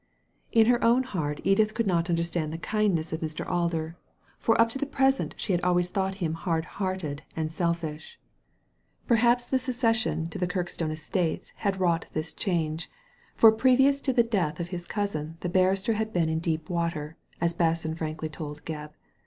In her own heart Edith could not understand the kindness of Mr. Alder, for up to the present she Digitized by Google 184 THE LADY FROM NOWHERE had always thought him hard hearted and selfish. Perhaps the succession to the Kirkstone estates had wrought this change, for previous to the death of his cousin the barrister had been in deep water, as Basson frankly told Gebb.